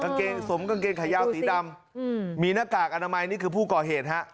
เกงสวมกางเกงขายาวสีดำมีหน้ากากอนามัยนี่คือผู้ก่อเหตุฮะ